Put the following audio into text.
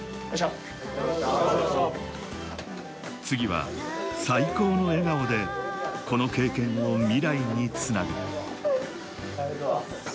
次は最高の笑顔でこの経験を未来につなぐ。